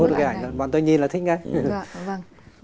cuốn hút được cái ảnh bọn tôi nhìn là thích ngay